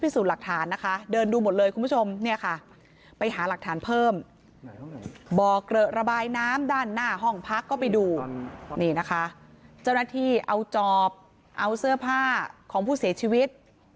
ซ้ำด้านหน้าห้องพักก็ไปดูนี่นะคะเจ้าหน้าที่เอาจอบเอาเสื้อผ้าของผู้เสียชีวิต